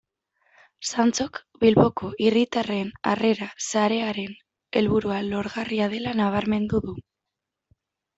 Santxok Bilboko Hiritarren Harrera Sarearen helburua lorgarria dela nabarmendu du.